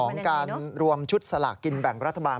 ของการรวมชุดสลากกินแบ่งรัฐบาล